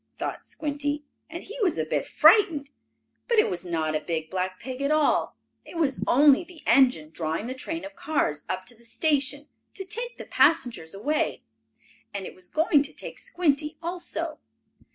thought Squinty. And he was a bit frightened. But it was not a big black pig at all. It was only the engine drawing the train of cars up to the station to take the passengers away. And it was going to take Squinty, also.